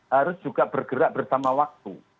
harus juga bergerak bersama waktu